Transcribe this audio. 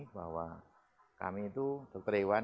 bahwa kami dokter hewan